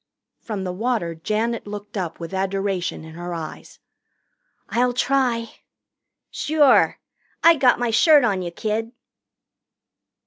From the water Janet looked up with adoration in her eyes. "I'll try." "Sure. I got my shirt on you, kid."